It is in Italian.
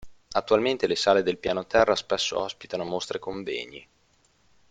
Attualmente le sale del piano terra spesso ospitano mostre e convegni.